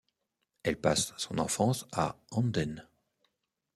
Elle passe son enfance à Andenne.